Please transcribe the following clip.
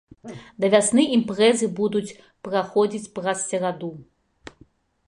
Да вясны імпрэзы будуць праходзіць праз сераду.